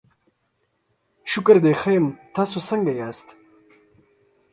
شکر دی، ښه یم، تاسو څنګه یاست؟